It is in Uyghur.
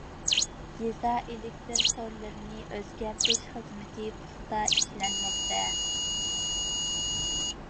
يېزا ئېلېكتىر تورلىرىنى ئۆزگەرتىش خىزمىتى پۇختا ئىشلەنمەكتە.